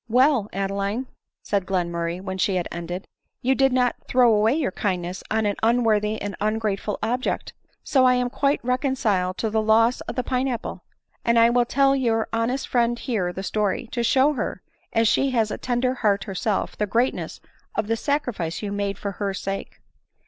" Well, Adeline," said Glenmurray when she had en ded, " you did not throw away your kindness on an un worthy and ungrateful object ; so I am quite reconciled to the loss of the pine apple ; and I will tell your honest friend here the story — to show her, as she has a tender heart herself, the greatness of the sacrifice you made for her sake."